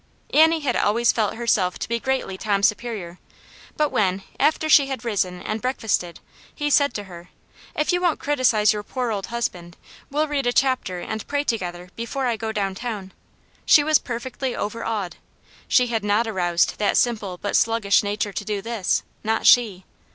Annie had always felt herself to be greatly Tom's superior, but when, after she had risen and break fasted, he said to her, " If you won't criticize your poor old husband, we'll read a chapter and pray to gether before I go down town," she was perfectly overawed. She had not aroused that simple but sluggish nature to do this, not she